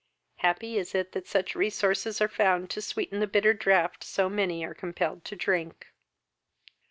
Happy is it that such resources are found to sweeten the bitter draught so many are compelled to drink!